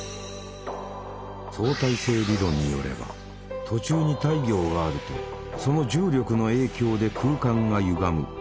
相対性理論によれば途中に太陽があるとその重力の影響で空間がゆがむ。